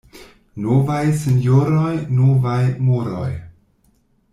Novaj sinjoroj — novaj moroj.